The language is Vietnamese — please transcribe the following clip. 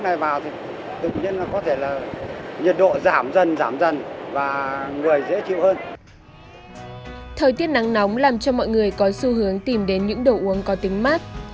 những đồ uống có tính mát tự nhiên là có thể là nhiệt độ giảm dần và người dễ chịu hơn thời tiết nắng nóng làm cho mọi người có xu hướng tìm đến những đồ uống có tính mát